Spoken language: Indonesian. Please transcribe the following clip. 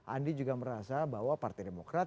andi juga merasa bahwa partai demokrat